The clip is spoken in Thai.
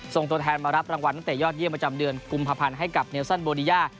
ตัวแทนมารับรางวัลตั้งแต่ยอดเยี่ยมประจำเดือนกุมภาพันธ์ให้กับเนลซันโบดีย่า